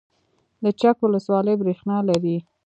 د چک ولسوالۍ بریښنا لري